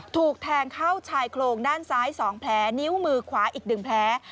ถูกแทงเข้าชายโครงด้านซ้าย๒แผลนิ้วมือขวาอีก๑แผล